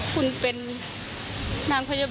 เขาคงว่า